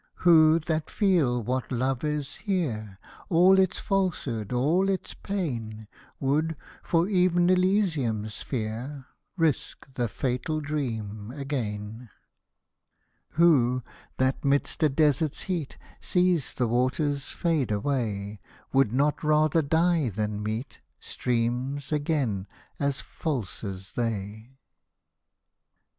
Who, that feels what Love is here, All its falsehood — all its pain — Would, for ev'n Elysium's sphere, Risk the fatal dream again ? Hosted by Google 132 LALLA ROOKH Who; that midst a desert's heat Sees the waters fade away, Would not rather die than meet Streams again as false as they